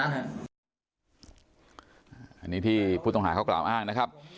อันนี้ที่ผู้ต้องหาเขากล่าวอ้างนะครับ